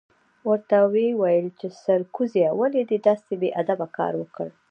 ورته ویې ویل چې سرکوزیه ولې دې داسې بې ادبه کار وکړ؟